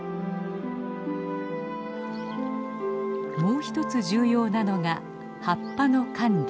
もう一つ重要なのが葉っぱの管理。